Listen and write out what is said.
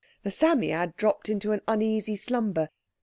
The Psammead dropped into an uneasy slumber.